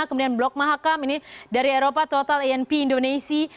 kemudian blok mahakam ini dari eropa total inp indonesia